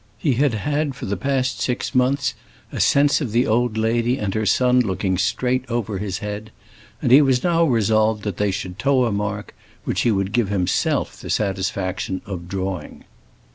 He had had for the past six months a sense of the old lady and her son looking straight over his head, and he was now resolved that they should toe a mark which he would give himself the satisfaction of drawing.